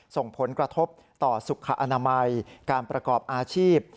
ส่งผลกระทบต่อสุขอนามัยการประกอบอาชีพ